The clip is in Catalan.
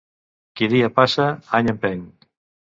Qui dia passa, any empeny